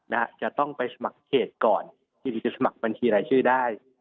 นะฮะจะต้องไปสมัครเขตก่อนที่เราจะสมัครบัญชีรายชื่อได้